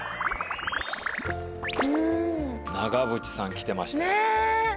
長渕さん来てましたよ。ね！